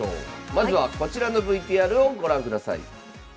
まずはこちらのＶＴＲをご覧ください。